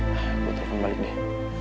gue telepon balik deh